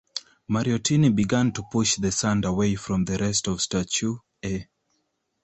Mariottini began to push the sand away from the rest of statue A.